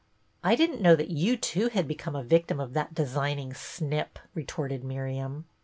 " I did n't know that you too had become a victim of that designing snip," retorted Miriam.